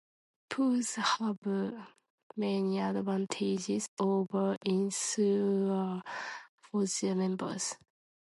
Pools have many advantages over insurers for their members.